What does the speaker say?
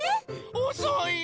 おそいよ！